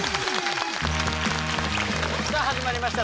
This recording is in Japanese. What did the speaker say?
さあ始まりました